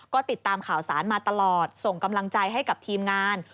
ก็ติดตามข่าวสารมาตลอดส่งกำลังใจให้กับทีมงาน